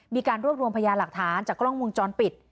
มีการรวบรวมพยานหลักฐานจากกล้องวงจรปิด